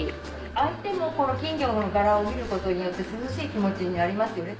相手もこの金魚の柄を見ることによって涼しい気持ちになりますよね。